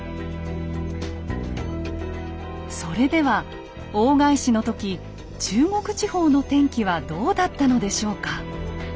それでは大返しの時中国地方の天気はどうだったのでしょうか。